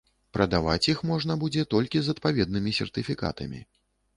Прадаваць іх можна будзе толькі з адпаведнымі сертыфікатамі.